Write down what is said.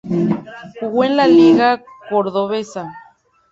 Jugó en la Liga Cordobesa.